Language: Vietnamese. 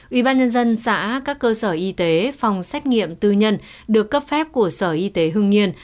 ubnd xã các cơ sở y tế phòng xét nghiệm tư nhân được cấp phép của sở y tế hương nhiên